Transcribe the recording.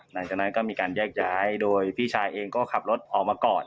หลังจากนั้นก็มีการแยกย้ายโดยพี่ชายเองก็ขับรถออกมาก่อน